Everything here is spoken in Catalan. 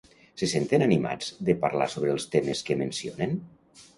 Se senten animats de parlar sobre els temes que mencionen?